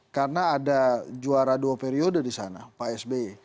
karena ada juara dua periode di sana pak sbe